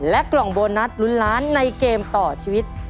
กล่องโบนัสลุ้นล้านในเกมต่อชีวิต